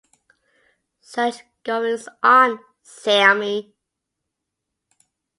Such goings on, Sammy!